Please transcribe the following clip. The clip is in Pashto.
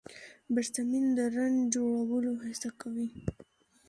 بيټسمېن د رن جوړولو هڅه کوي.